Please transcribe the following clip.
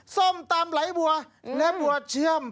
ส้มตำไหลบัวและบัวเชื่อม